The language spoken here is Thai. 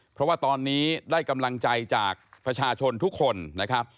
เพราะว่าตอนนี้ได้กำลังใจจากประชาชนทุกคนนะครับ